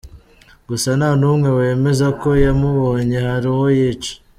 Gusa nta n’umwe wemeza ko yamubonye hari uwo yica.